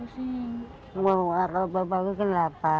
sakit perut kenapa